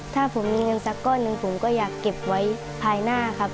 ถ้าผมมีเงินสักก้อนหนึ่งผมก็อยากเก็บไว้ภายหน้าครับ